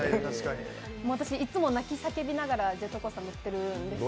私、いつも泣き叫びながらジェットコースター乗ってるんですけど。